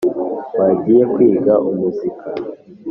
wa ngiye kwiga umuzika